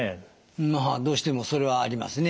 どうしてもそれはありますね。